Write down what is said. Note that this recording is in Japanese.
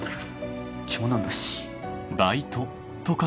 長男だし。